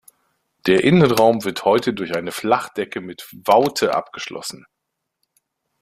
Der Innenraum wird heute durch eine Flachdecke mit Voute abgeschlossen.